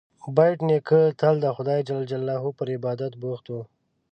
بېټ نیکه تل د خدای جل جلاله پر عبادت بوخت و.